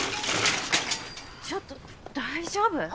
ちょっと大丈夫？